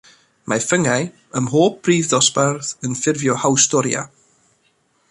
Mae ffyngau ym mhob prif ddosbarth yn ffurfio hawstoria.